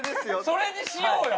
それにしようよ！